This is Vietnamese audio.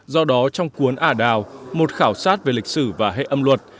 do đó trong cuốn ả đào một khảo sát về lịch sử và hệ âm luật